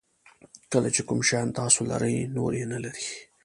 کله چې کوم شیان تاسو لرئ نور یې نه لري.